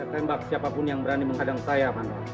tembak siapapun yang berani menghadang saya